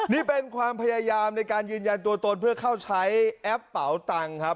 นี่เป็นความพยายามในการยืนยันตัวตนเพื่อเข้าใช้แอปเป๋าตังค์ครับ